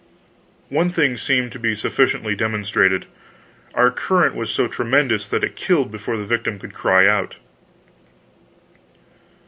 One thing seemed to be sufficiently demonstrated: our current was so tremendous that it killed before the victim could cry out.